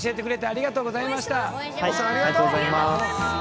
ありがとうございます。